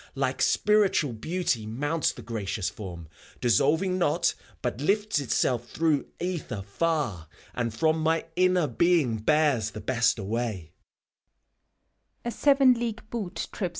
Like Spiritual Beauty mounts the gracious Form, Dissolving not, but lifts itself through ether far, And from my inner being bears the best away.